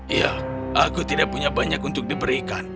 iya aku tidak punya banyak untuk diberikan